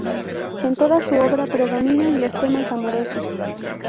En toda su obra predominan los temas amorosos.